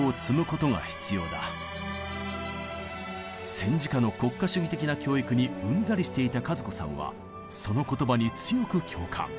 戦時下の国家主義的な教育にうんざりしていた和子さんはその言葉に強く共感。